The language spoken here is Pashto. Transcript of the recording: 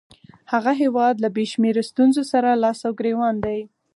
هغه هیواد له بې شمېره ستونزو سره لاس او ګرېوان دی.